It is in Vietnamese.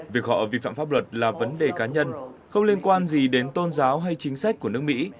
việc họ vi phạm pháp luật là vấn đề cá nhân không liên quan gì đến tôn giáo hay chính sách của nước mỹ